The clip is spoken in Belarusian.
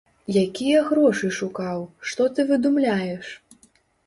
Якія грошы шукаў, што ты выдумляеш!